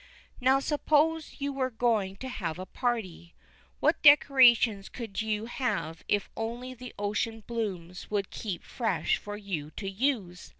Now suppose you were going to have a party. What decorations you could have if only the ocean blooms would keep fresh for you to use.